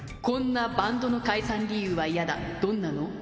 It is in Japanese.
こんなバンドの解散理由はイヤだどんなの？